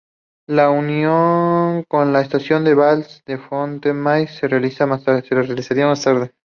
La unión con la estación de Val de Fontenay se realizaría más tarde.